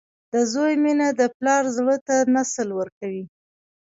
• د زوی مینه د پلار زړۀ ته تسل ورکوي.